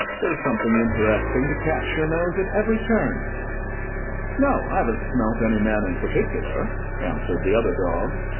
There's something interesting to catch your nose at every turn.") "No, I haven't smelt any man in particular," answered the other dog.